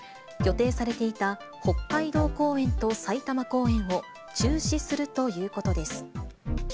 予定されていた北海道公演と埼玉公演を中止するということです。